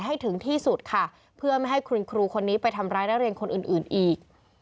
ให้ถึงที่สุดค่ะเพื่อไม่ให้คุณครูคนนี้ไปทำร้ายนักเรียนคนอื่นอื่นอีก